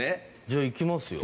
じゃあいきますよ。